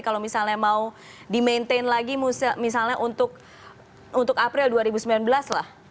kalau misalnya mau di maintain lagi misalnya untuk april dua ribu sembilan belas lah